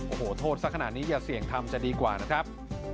โอ้โหโทษสักขนาดนี้อย่าเสี่ยงทำจะดีกว่านะครับ